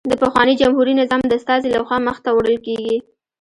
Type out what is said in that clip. د پخواني جمهوري نظام د استازي له خوا مخته وړل کېږي